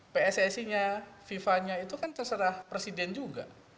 pssi nya fifa nya itu kan terserah presiden juga